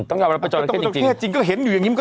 ต้องกำลังไปจอดระเทศจริง